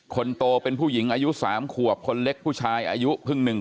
คนโตเป็นผู้หญิงอายุ๓ขวบคนเล็กผู้ชายอายุเพิ่ง๑ปี